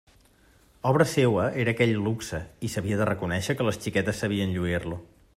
Obra seua era aquell luxe i s'havia de reconèixer que les xiquetes sabien lluir-lo.